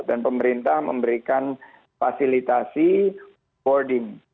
dan pemerintah memberikan fasilitasi boarding